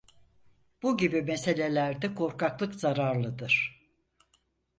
Bu gibi meselelerde korkaklık zararlıdır…